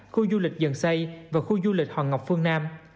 khu du lịch dần xây và khu du lịch hoàng ngọc phương nam